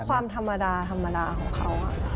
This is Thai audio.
ความธรรมดาธรรมดาของเขา